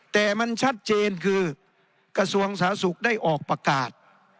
แต่มันชัดเจนคือกระทรวงสาธารณสุขได้ออกประกาศ